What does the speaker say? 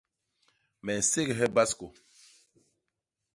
Me nséghe baskô.